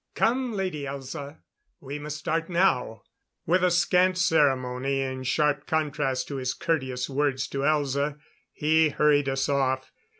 Come, Lady Elza. We must start now." With a scant ceremony in sharp contrast to his courteous words to Elza, he hurried us off.